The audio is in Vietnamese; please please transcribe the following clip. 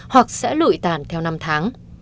hoặc sẽ lụi tàn theo năm tháng